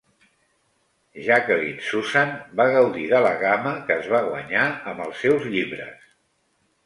Jacqueline Susann va gaudir de la gama que es va guanyar amb els seus llibres.